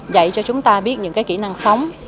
dạy cho chúng ta biết những cái kỹ năng sống